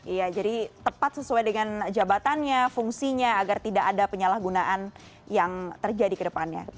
iya jadi tepat sesuai dengan jabatannya fungsinya agar tidak ada penyalahgunaan yang terjadi ke depannya